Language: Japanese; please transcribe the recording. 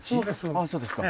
あっそうですか。